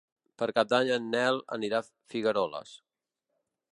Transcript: Per Cap d'Any en Nel anirà a Figueroles.